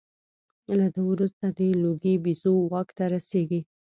له ده وروسته د لوګي بیزو واک ته رسېږي.